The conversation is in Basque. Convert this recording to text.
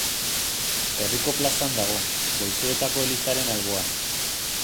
Herriko plazan dago, Goizuetako elizaren alboan.